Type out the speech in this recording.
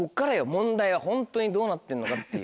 問題はホントにどうなってんのかっていう。